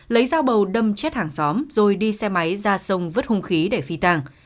lấy dao bầu đâm chết hàng xóm rồi đi xe máy ra sông vứt hung khí để phi tàng